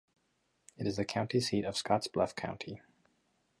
It is the county seat of Scotts Bluff County.